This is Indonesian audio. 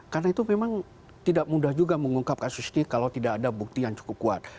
karena itu memang tidak mudah juga mengungkap kasus ini kalau tidak ada bukti yang cukup kuat